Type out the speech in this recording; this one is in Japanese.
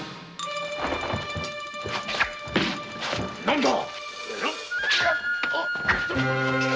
何だ